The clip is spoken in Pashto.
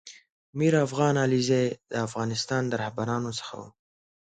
میر افغان علیزی دافغانستان د رهبرانو څخه و